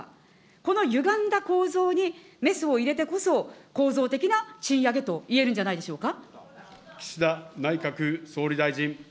このゆがんだ構造にメスを入れてこそ、構造的な賃上げと言えるんじゃないでしょうか。